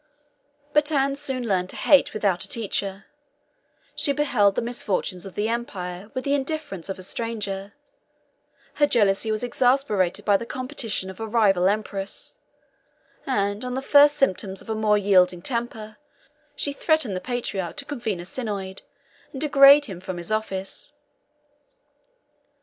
31 But Anne soon learned to hate without a teacher: she beheld the misfortunes of the empire with the indifference of a stranger: her jealousy was exasperated by the competition of a rival empress; and on the first symptoms of a more yielding temper, she threatened the patriarch to convene a synod, and degrade him from his office.